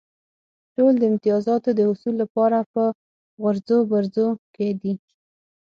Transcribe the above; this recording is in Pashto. ټول د امتیازاتو د حصول لپاره په غورځو پرځو کې دي.